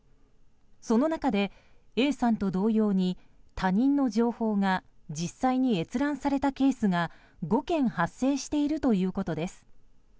その中で、Ａさんと同様に他人の情報が実際に閲覧されたケースが５件発生しているということです。